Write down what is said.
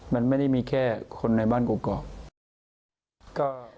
มันไม่ได้มีแค่คนในบ้านกรอก